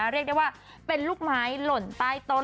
เรียกได้ว่าเป็นลูกไม้หล่นใต้ต้น